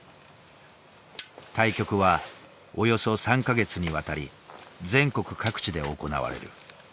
対局はおよそ３か月にわたり全国各地で行われる。